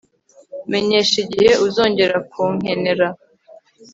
Menyesha igihe uzongera kunkenera